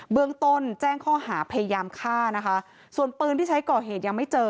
เบื้องต้นแจ้งข้อหาพยายามฆ่านะคะส่วนปืนที่ใช้ก่อเหตุยังไม่เจอ